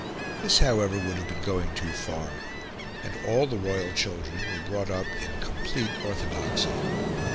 This, however, would have been going too far; and all the royal children were brought up in complete orthodoxy.